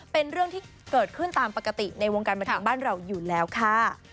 เป็นเรื่องที่เกิดขึ้นตามปกติในวงการบันเทิงบ้านเราอยู่แล้วค่ะ